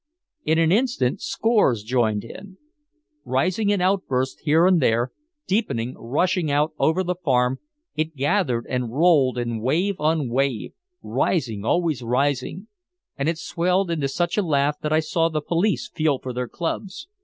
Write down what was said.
In an instant scores joined in. Rising in outbursts here and there, deepening, rushing out over the Farm, it gathered and rolled in wave on wave, rising, always rising. And it swelled into such a laugh that I saw the police feel for their clubs.